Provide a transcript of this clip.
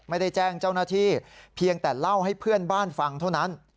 ไม่ได้แจ้งเจ้าหน้าที่เพียงแต่เล่าให้เพื่อนบ้านฟังเท่านั้น